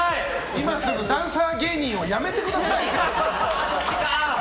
今すぐダンサー芸人を辞めてください！